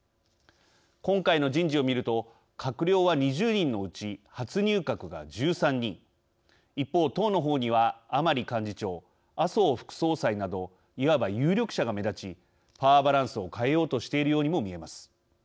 今回の人事を見ると閣僚は２０人のうち初入閣が１３人一方、党の方には甘利幹事長麻生副総裁などいわば有力者が目立ちパワーバランスを変えようとしているようにも見えます。